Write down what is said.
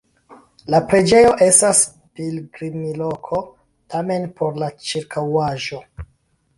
La preĝejo estas pilgrimloko, tamen por la ĉirkaŭaĵo.